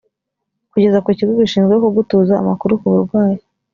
kugeza ku kigo gishinzwe kugutuza amakuru ku burwayi